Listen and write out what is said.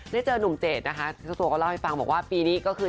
ได้เจอนุ่มเจดนะคะเจ้าตัวก็เล่าให้ฟังบอกว่าปีนี้ก็คือ